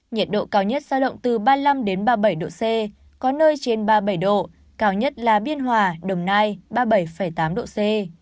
nhiệt độ cao nhất giao động từ ba mươi năm ba mươi bảy độ c có nơi trên ba mươi bảy độ cao nhất là biên hòa đồng nai ba mươi bảy tám độ c